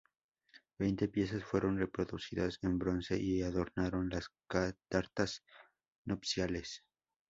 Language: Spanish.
Veinte piezas fueron reproducidas en bronce y adornaron las tartas nupciales.·